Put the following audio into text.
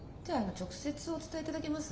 直接お伝えいただけます？